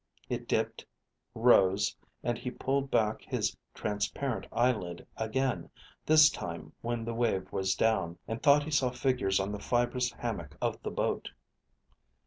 It dipped, rose, and he pulled back his transparent eyelid again, this time when the wave was down, and thought he saw figures on the fibrous hammock of the boat.